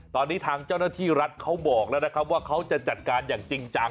ตอนนี้ทางเจ้าหน้าที่รัฐเขาบอกแล้วนะครับว่าเขาจะจัดการอย่างจริงจัง